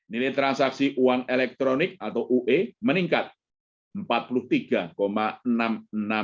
nilai transaksi uang elektronik atau ue meningkat rp empat puluh tiga enam puluh enam persen